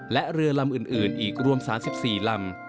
และเรือลำอื่นอีกรวม๓๔ลำ